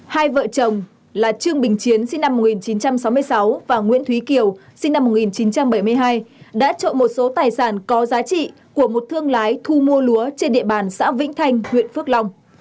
hai vợ chồng là trương bình chiến sinh năm một nghìn chín trăm sáu mươi sáu và nguyễn thúy kiều sinh năm một nghìn chín trăm bảy mươi hai đã trộm một số tài sản có giá trị của một thương lái thu mua lúa trên địa bàn xã vĩnh thanh huyện phước long